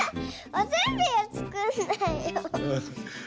おせんべいはつくんないよ。